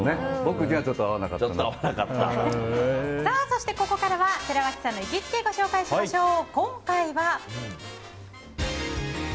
そして、ここからは寺脇さんの行きつけをご紹介しましょう。